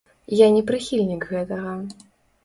Я не прыхільнік гэтага.